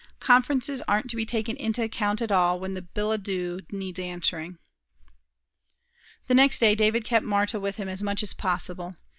Conferences aren't to be taken into account at all when a billet doux needs answering." The next day David kept Marta with him as much as possible.